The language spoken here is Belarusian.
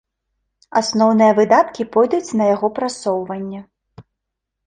Асноўныя выдаткі пойдуць на яго прасоўванне.